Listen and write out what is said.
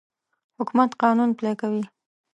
حکومت قانون پلی کوي.